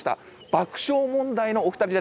爆笑問題のお二人です。